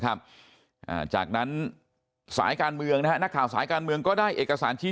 ครับอ่าจากนั้นสายการเมืองนะฮะนักข่าวสายการเมืองก็ได้เอกสารชี้